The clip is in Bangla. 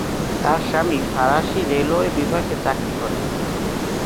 তার স্বামী ফরাসি রেলওয়ে বিভাগে চাকরি করতেন।